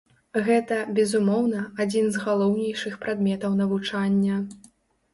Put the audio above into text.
Гэта, безумоўна, адзін з галоўнейшых прадметаў навучання.